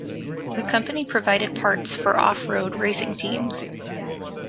The company provided parts for off-road racing teams.